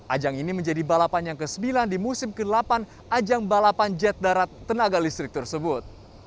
ajang ini menjadi balapan yang ke sembilan di musim ke delapan ajang balapan jet darat tenaga listrik tersebut